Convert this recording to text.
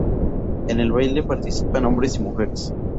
En el baile participan hombres y mujeres.